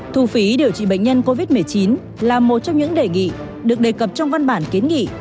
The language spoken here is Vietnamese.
thu phí điều trị bệnh nhân covid một mươi chín là một trong những đề nghị được đề cập trong văn bản kiến nghị